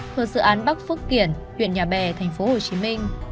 thuộc sự án bắc phước kiển huyện nhà bè tp hcm